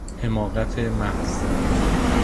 حماقت محض